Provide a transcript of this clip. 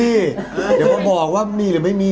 เดี๋ยวมาบอกว่ามีหรือไม่มี